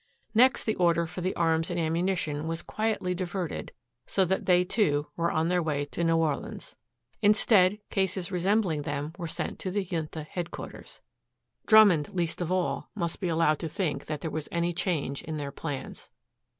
Next the order for the arms and ammunition was quietly diverted so that they, too, were on their way to New Orleans. Instead, cases resembling them were sent to the Junta headquarters. Drummond, least of all, must be allowed to think that there was any change in their plans.